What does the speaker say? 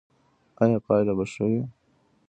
ایا پایله به ښه وي؟